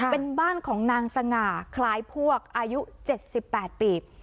เป็นบ้านของนางสง่าคลายพวกอายุเจ็ดสิบแปดปี